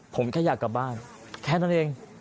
ผมแค่อยากกลับบ้านแค่นั้นเอง